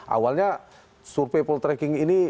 awalnya survei poltreking ini